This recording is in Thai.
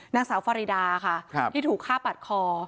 นางสาวฟารีดาค่ะที่ถูกฆ่าปัดคอ